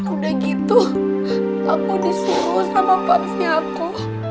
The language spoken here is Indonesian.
udah gitu aku disuruh sama babnya aku